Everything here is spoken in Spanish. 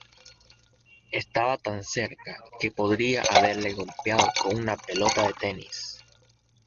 Estaba tan cerca, que podría haberle golpeado con una pelota de tenis.